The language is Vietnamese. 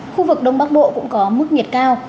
khu vực đông bắc bộ cũng có mức nhiệt cao